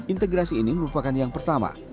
integrasi ini merupakan yang pertama